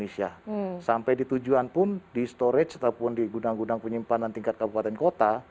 sampai di tujuan pun di storage ataupun di gudang gudang penyimpanan tingkat kabupaten kota